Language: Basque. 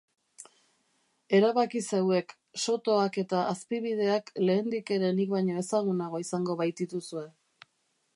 Erabaki zeuek, sotoak eta azpibideak lehendik ere nik baino ezagunago izango baitituzue.